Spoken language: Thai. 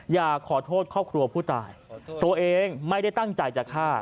อยากขอโทษครอบครัวผู้ตายตัวเองไม่ได้ตั้งใจจะฆ่า